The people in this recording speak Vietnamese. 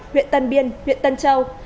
huyện tân biên huyện tân châu